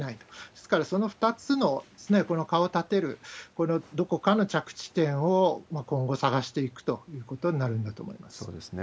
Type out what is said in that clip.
ですからその２つのこの顔を立てる、このどこかの着地点を今後探していくということになるんだと思いそうですね。